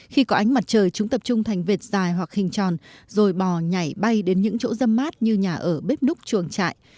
khi có ánh mặt trời chúng tập trung thành vệt dài hoặc hình tròn rồi bò nhảy bay đến những chỗ dâm mát như nhà ở bếp núc chuồng trại